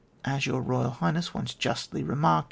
As Your Boyal Highness once justly remarked.